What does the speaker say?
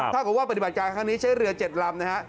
ถ้าเกิดว่าปฏิบัติการครั้งนี้ใช้เรือ๗ลำนะฮะ